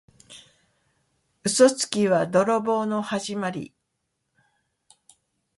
嘘つきは泥棒のはじまり。